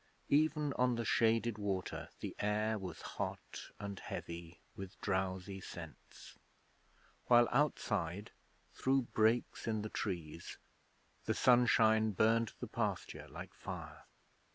Even on the shaded water the air was hot and heavy with drowsy scents, while outside, through breaks in the trees, the sunshine burned the pasture like fire.